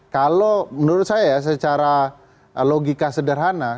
kalau menurut saya ya secara logika sederhana